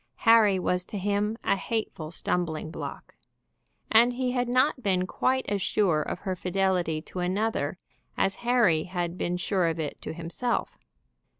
Harry was to him a hateful stumbling block. And he had not been quite as sure of her fidelity to another as Harry had been sure of it to himself.